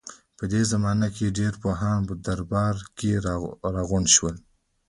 په دې زمانه کې ډېر پوهان په درباره کې راغونډ شول.